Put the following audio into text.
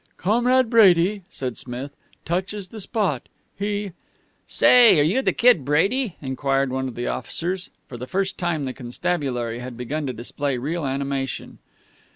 "Comrade Brady," said Smith, "touches the spot. He " "Say, are you Kid Brady?" enquired one of the officers. For the first time the constabulary had begun to display real animation.